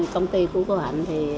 công ty của cô hạnh